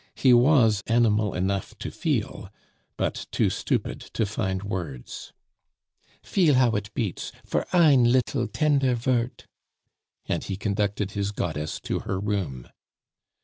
He was animal enough to feel, but too stupid to find words. "Feel how it beats for ein little tender vort " And he conducted his goddess to her room.